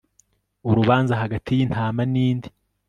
urubanza hagati y intama n indi